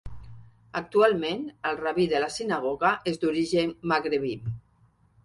Actualment, el rabí de la sinagoga és d'origen magrebí.